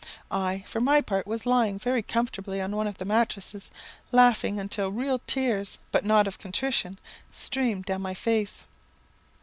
I, for my part, was lying very comfortably on one of the mattrasses, laughing until real tears, but not of contrition, streamed down my face.